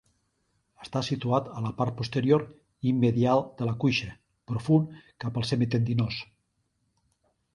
Està situat a la part posterior i medial de la cuixa, profund cap al semitendinós.